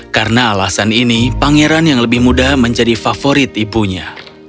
karena alasan ini pangeran yang lebih muda menjadi favorit ibunya